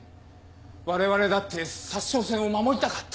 我々だって札沼線を守りたかった。